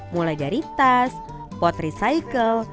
mulai dari tas pot recycle